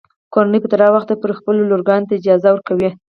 کورنۍ به تر هغه وخته پورې خپلو لورګانو ته اجازه ورکوي.